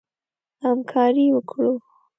همکاري وکړو.